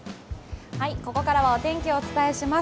ここからはお天気をお伝えします。